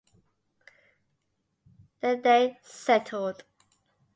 There they settled.